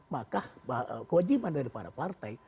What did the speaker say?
maka kewajiban dari para partai